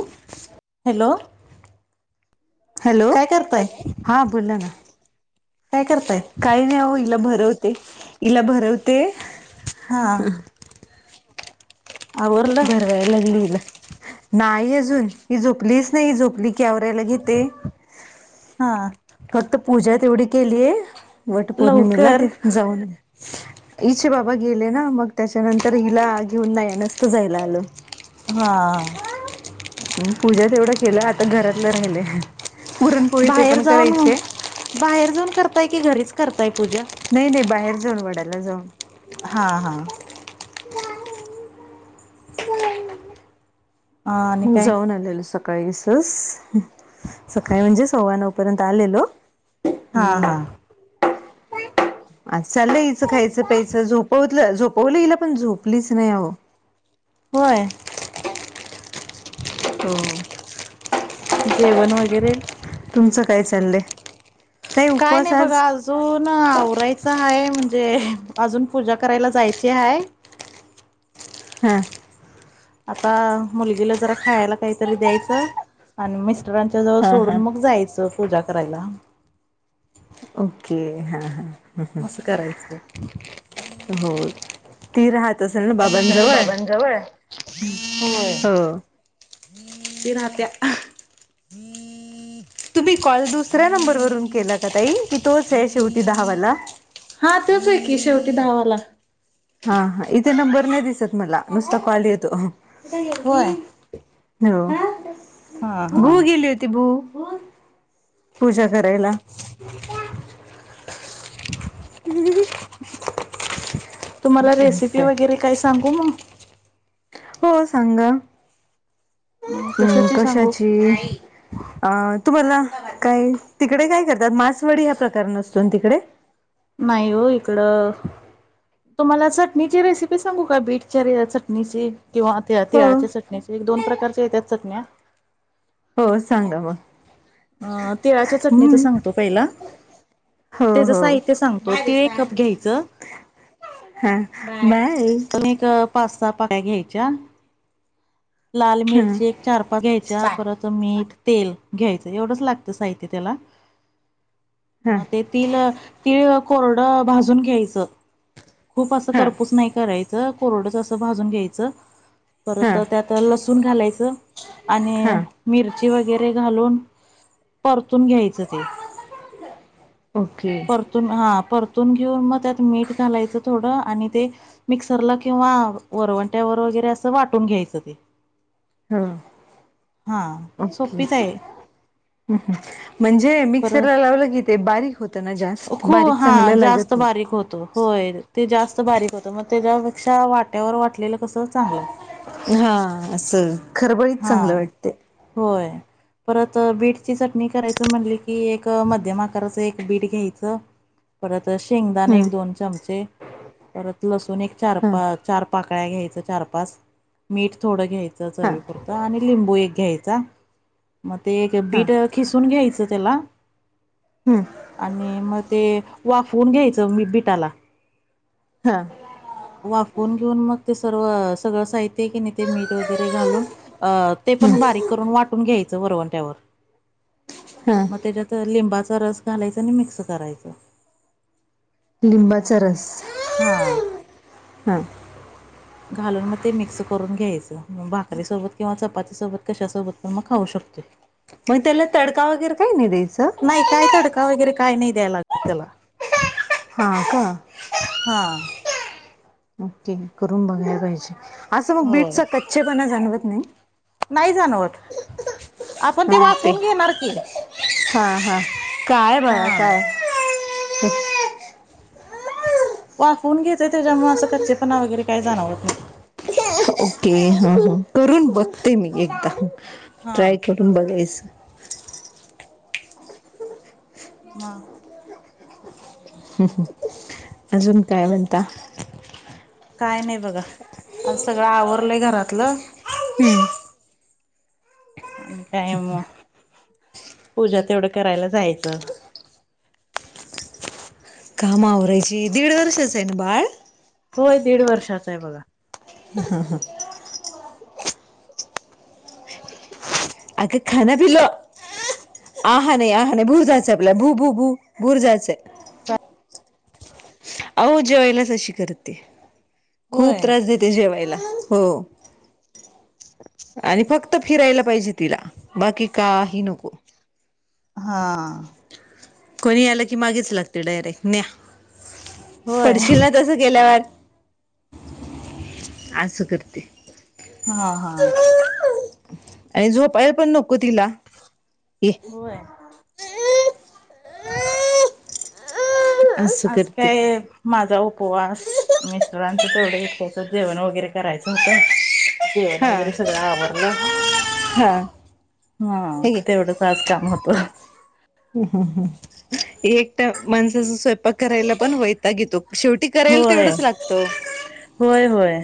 हो [unintelligible] hello. Hello. काय करताय हा बोला ना. काय करताय काही नाही हो हिला भरवत ते हिला भरवते. हा. आवरलं भरवाय लागली हिला. नाही अजून. ही झोपलीच नाही झोपली की आवरायाला घेते. हा फक्त पूजा तेवढी केलीय. वट पौर्णिमेला लवकर ते जाऊन. इचे बाबा गेले ना मग. त्याच्यानंतर हिला घेऊन नाही. नसत जायला आलं. हा. पूजा तेवढं केलं. आता घरातलं राहिले पुरणपोळी ते बाहेर पण करायच. जाऊन बाहेर जाऊन करताय की घरीच. करताय पूजा नाही-नाही बाहेर जाऊन वडाला जाऊन. हा. हा. आणि मग काय जाऊन आलेलं सकाळी. सकाळीस सकाळी म्हणजे सव्वा नऊ पर्यंत आलेलो. हा. आणि हा. अ चालं याचं खायचं. प्यायचं. झोपवतलं-झोपवलं हीला पण झोपलीच नाही हो. होय. हो. जेवण वगैरे. तुमचं काय चाललंय. काय उपवास नाही आज बघा अजून आवरायचं आहे. म्हणजे अजून पूजा करायला जायची आहे. हा. आता मुलगीला जरा खायला काहीतरी द्यायचं आणि मस् मरांच्या जवळ हा सोडून हा मग जायचं पूजा करायला. ओके हा हा. मस् करायच. तीर हात. आता सारबाबांजवळ हो. तना त्या ह. तुम्ही कॉल दुसऱ्या नंबरवरून केला का ताई की तोच आहे शेवटी दहावाला हा तेच आहे की शेवटी धावाला हा हा इथे नंबर नाही दिसत मला नुसता कॉल येतो. हो होय हा भू हा. गेली होती भू पूजा घरायला ह. तुम्हाला रेसिपी वगैरे काय सांगू मग हो सांग. अं हम् सांगू? कशाची अ तुम्हाला? काय तिकडे काय करतात मासवडी ह्या प्रकारसतो तिकडे. नाहीयव इकड. तुम्हाला चटणीची रेसिपी सांगू का बीटच्या चटणीची किंवा ते हो तिळाच्या चटणीचे दोन प्रकारच्या येत्या चटण्या. हो सांगा मग अं तिळाच्या चटणीच हम्म सांगतो पहिला. हो त्याचं हो साहित्य सांगतो. तीळ एक कप घ्यायचं. हा. बाय तर एक पास्ता पाका्या घ्यायच्या. लाल हा मिरची एक चारपाक घ्यायच्या बाय परत मीठ. तेल घ्यायचं एवढंच लागत साहित्य त्याला हा मग ते तिल तिळ कोरड भाजून घ्यायचं. खूप असं हा करपूस नाही करायचं कोरडंच असं भाजून घ्यायचं. हा परत त्यात लसूण घालायचं आणि हा मिरची वगैरे घालून. परतून घ्यायचं ते ओके परतून हा परत. तून घेऊन मग त्यात मीठ घालायचं थोडं आणि ते मिक्सरला किंवा वरवंट्यावर वगैरे असं वाटून घ्यायचं ते हो हा ओके सोपीच आहे. म्हणजे परत मिक्सरला लावलं की तेे बारीक होत ना जास्त खू बारीक हा चांगलं लागत. जास्त नाही बारीक होतो हो ते जास्त बारीक होतं मग त्याच्यापेक्षा वाट्यावर वाटलेलं कसं चांगलं. हा असं खरबळीत हा चांगलं वाटते. होय परत बीटची चटणी करायचं म्हणली की एक मध्यम आकाराचं एक बीट घ्यायचं. परत शेंगदाण एक हम्म दोन चमचे परत लसूण एक चार हा पा चार पाक च पा थ घ्याय हा घ्याय मग हा बीट खिसून घ्यायच त्याला हम्म आणि मग ते वा फून घ्यायचं मी बिटाला हा वा फोन. घेऊन मग ते सर्व सगळं साहित्य आहे की नाही ते मीठ वगैरे घालून. अ ते हम्म पण बारीक करून वाटून घ्यायचं बरवणट्यावर हा मग त्याच्यात लिंबाचा रस घालायचा आणि मिक्स करायचं. लिंबाचा रस हा हा घालून मग ते मिक्स करून घ्यायचं म भाकरीसोबत किंवा चपातीसोबत कशासोबत पण मग खाऊ शकतेो मग त्याला तडका वगैरे काही नाही द्यायचं नाही काय तडका वगैरे काय नाही द्याय लागत त्याला हा का हा ओके करून बघायला पाहिजे [inaudible] असं मग होय बीटचा कच्चेपणा जाणवत नाही [inaudible] नाही जाणवत आपण ते वाफून घेणार की. हां हां काय हा बाळा काय [inaudible] वाफवून घेतय त्याच्यामुळे असं कच्चेपणा वगैरे काय जाणववत नाही ओके ह करून बघते मी एकदा ट्राय हा करून बघायचं. [unintelligible] अजून काय म्हणता? काय नाही बघा आज सगळं आवरलंय घरातलं. हम्म काय म पूजा तेवढं करायला जायचं काम आवरायची दीड वर्षाचं आहे ना बाळ होय दीड वर्षाच आहे बघा [inaudible] अग खाना पिल्लो [inaudible] आहा नाही आह नाही भूर जायचं आपल्याला भू भू भू भूर जायचं अहो जेवायलाच अशी करते खूप होय त्रास देते जेवायला हो आणि फक्त फक्त फिरायला पाहिजे तिला बाकी काही नको हं कोणी आलं की मागेच लागते डायरेक्ट न्या होय पडशील ना तसं केल्यावर असं करते! ! [inaudible] आणि झोपायला पण नको तिला ये होय असं आज करते. काय माझा उपवास मिस्टरांचं तेवढं एकायचं जेवण वगैरे करायचं होतं जेवण हा वगैरे सगळं आवरलं. हा हा हे घे. तेवढंच आज काम होतं एकट माणसाचा स्वयंपाक करायला पण वयताग येतो शेवटी करायला होय तेवढंच लागत होय होय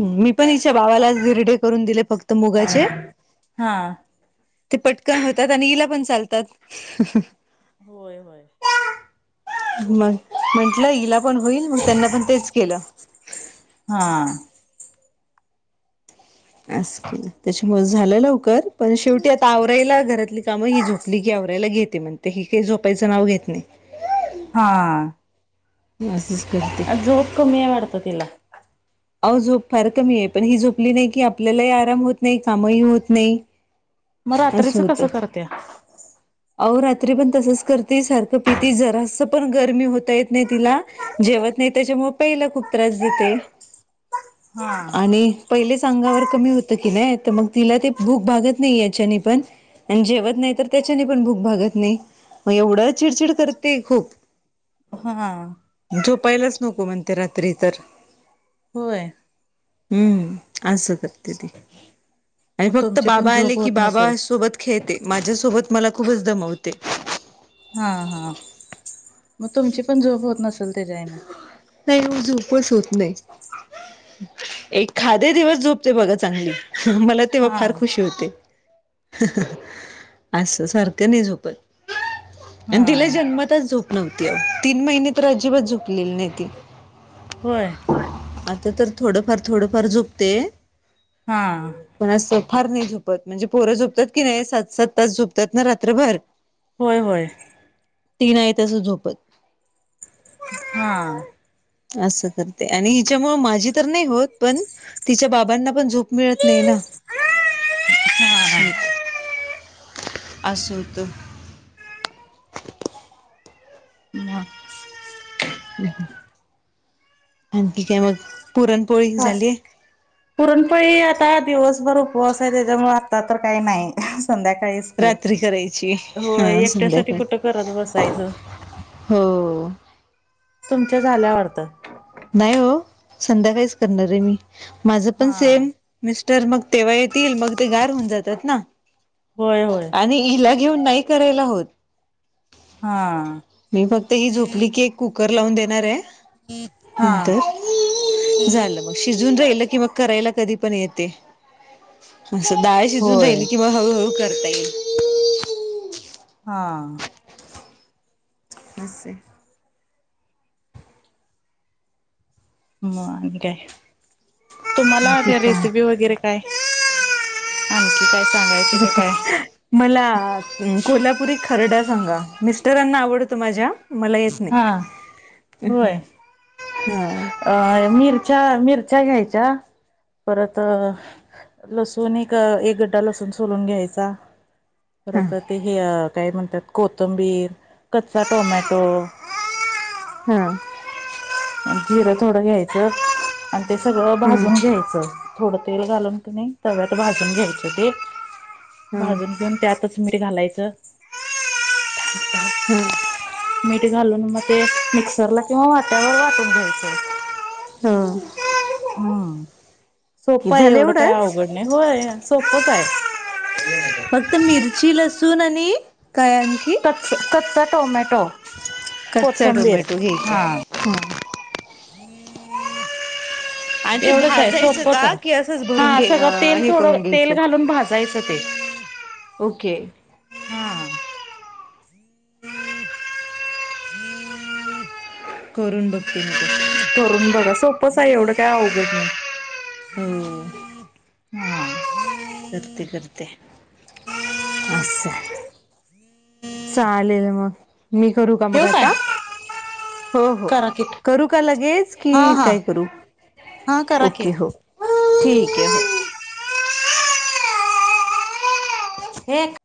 मी पण हिच्या बावालाच दिरडे करून दिले फक्त मुगाचे. हा ते पटकन होतात आणि इला पण चालतात. होय होय.. मग म्हटलं हिला पण होईल मग त्यांना पण तेच केलं हा अस केल त्याच्यामुळे झालं लवकर पण शेवटी आता आवराईला घरातली काम ही झोपली की आवरायला घेते म्हणते हि काही झोपायचं नाव घेत नाही हं [unintelligible] बस... झोप कमी आहे वाढत तिला. अह झोप फार कमी आहे पण ही झोपली नाही, की आपल्यालाही आराम होत नाही कामही होत नाही. मग अस रात्रीचं होत कसं करत्या? आवरलं पण तच कर सारख प जरा पण गरमी होता येत नाही तिला जेवत नाही त्याच्या [inaudible] हा. आणि [inaudible] अंगावर कमी होत की नाही तर मग तिला ते भूक भागात नाही ह्याचे ने पण आणि जेवत नाही तर त्याच्याने पण भूक भागत नाही... मग एवढं चिडचिड करते खूप. हं. झोपाहिलाच नको म्हणते रात्री तर होय हम्म असं करते ती. आणि मग फक्त तुमची पण बाबा आले झोप की होत बाबा नसेल. सोबत खेळते. माझ्यासोबत मला खूपच दमवते. हा. हा. मग तुमची पण झोप होत नसेल त्याच्याईन. नाही हो, झोपच होत नाही. एखादे दिवस झोपते बघा चांगली. ह मला तेव्हा हा. फार खुशी होते. असं सारखं नाही झोपत. हा आणि तिला जन्मातच झोप नव्हती आओ. तीन महिने तर अजिबात झोपलेली नाही ती. होय. आता तर थोडंफार-थोडंफार झोपते. हा. पण असं फार नाही झोपत. म्हणजे पोरं झोपतात की नाही सात-सात तास झोपतात ना रात्रभर. होय-होय. ती नाही तस झोपत. हा. असं करते. आणि हिच्यामुळे माझी तर नाही होत. पण तिच्या बाबांना पण झोप मिळत नाही ना. हा असं होत. मग आणखी काय मग पुरणपोळी झालेय? पुरणपळी आता दिवसभर उपवास आहे. त्याच्यामुळे आता तर काही नाही. संध्याकाळीच की. रात्री करायची हा होय एकट्या साठी संध्याकाळी कुठं करत बसायचं. हो. तुमच्या झाल्या वाटत. नाही हो संध्याकाळीच करणार आहे मी. माझं पण हा. Same mister. मग तेव्हा येतील मग ते गार होऊन जातात ना. होय होय आणि हिला घेऊन नाही करायला होत. हा मी फक्त ही झोपली की एक कुकर लावून देणार आहे. हा नंतर. झालं मग शिजू न राहिल कि मग. करायला कधी पण येते. अस डाळ शिजून राहिली होय किं मग हळूहळू करता येईल. हा. असये. मग आणि काय? तुम्हाला आणखी आपल काय रेसिपी वगैरे काय काय आणखी काय? सांगायची का काय मला कोल्हापुरी खरडा. सांगा मिस्टरांना आवडतो माझ्या. मला येत नाही. हा हा अं मिरच्या-मिरच्या घ्यायच्या. परत लसुण एक-एक गड्डा लसूण सोलून घ्यायचा. हा परत ते हे काय म्हणतात. कोथंबीर. कच्चा टोमॅटो. हा. जिरं थोडं घ्यायचं. आणि ते सगळं हम्म भाजून घ्यायचं थोडं तेल घालून की नाही. तव्यात भाजून घ्यायचे ते. हा भाजून घेऊन त्यातच. मीठ घालायचं. हा. मीठ घालून मग ते. मिक्सरला किंवा वाट्यावर वाटून घ्यायच. हो घ्यायच हम्म कि सोपं आहे झालं एवढं काय एवढंच अवघड नाही होय सोपच आहे फक्त मिरची लसूण आणि काय आणखी कत् कत्त टमॅटो कच्चा कोथंबीर टोमॅटो घ्यायचा ह ह आणि ते एवढंच आहे भाजायचं सोपच का आहे की असंच हा भरून घे सगळं तेल हे थोडं करून तेल घ्यायचं घालून भाजायचं ते ओके हा करून बघते मी तसं कररून बघं सोपंच आहे एवढं काय अवघड नाही हो हम् करते करते अससं चालेल मग मी करू का मग ठेवू काय आता हो हो करा की करू का लगेच की हा हा काय करू हा करा की ओके हो ठीक आहे हो एक